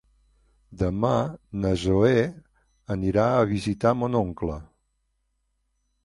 Demà na Zoè anirà a visitar mon oncle.